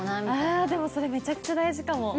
ああでもそれめちゃくちゃ大事かも。